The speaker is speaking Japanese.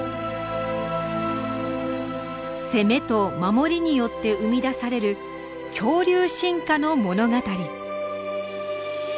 攻めと守りによって生み出される恐竜進化の物語。